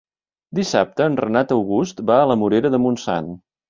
Dissabte en Renat August va a la Morera de Montsant.